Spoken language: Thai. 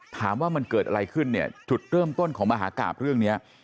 ถามว่ามันเกิดอะไรขึ้นเนี่ยจุดเริ่มต้นของมหากราบเรื่องนี้